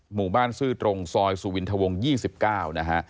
หมู่บ้านซื่อตรงซอยสุวินทวง๒๙นะฮะ